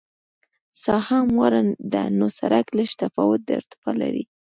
ساحه همواره ده نو سرک لږ تفاوت د ارتفاع لري